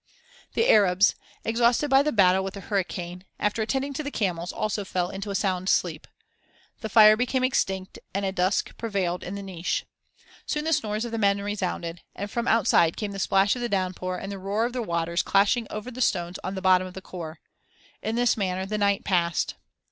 The Arabs, exhausted by the battle with the hurricane, after attending to the camels, also fell into a sound sleep. The fire became extinct and a dusk prevailed in the niche. Soon the snores of the men resounded, and from outside came the splash of the downpour and the roar of the waters clashing over the stones on the bottom of the khor. In this manner the night passed.